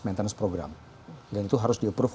maintenance program dan itu harus di approve